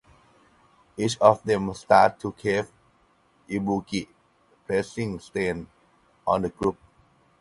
Each of them starts to crave Ibuki, placing strains on the group.